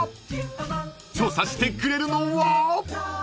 ［調査してくれるのは］